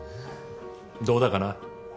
どうだかな。